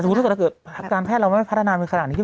แต่สูงที่สุดถ้าเกิดการแพทย์เราไม่พัฒนาเป็นขนาดนี้